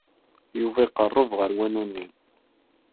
Yuba iqerreb ɣer wanu-nni.